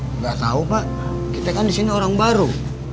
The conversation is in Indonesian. nggak tahu pak kita kan disini orang baru